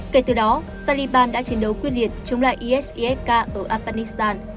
kể từ đó taliban đã chiến đấu quyết liệt chống lại isifk ở afghanistan